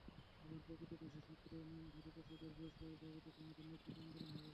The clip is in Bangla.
এবার প্রকৃত দোষী ছাত্র নামধারী পশুদের বহিষ্কারের দাবিতে তোমাদের নেতৃত্বে আন্দোলন হবে।